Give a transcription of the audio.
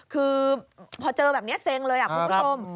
คือพอเจอแบบนี้เซ็งเลยคุณผู้ชม